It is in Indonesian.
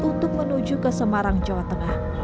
untuk menuju ke semarang jawa tengah